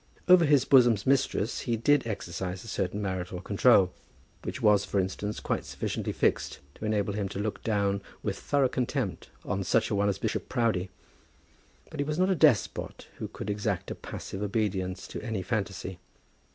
Over his bosom's mistress he did exercise a certain marital control, which was, for instance, quite sufficiently fixed to enable him to look down with thorough contempt on such a one as Bishop Proudie; but he was not a despot who could exact a passive obedience to every fantasy.